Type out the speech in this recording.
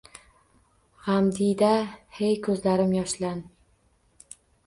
G’amdiyda, hey ko’zlarim, yoshlan!..